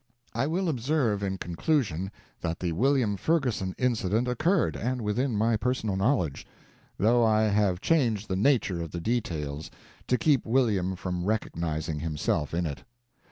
I will observe, in conclusion, that the William Ferguson incident occurred, and within my personal knowledge though I have changed the nature of the details, to keep William from recognizing himself in it.